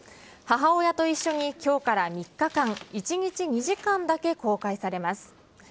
母親と一緒にきょうから３日間、１日２時間だけ公開されます。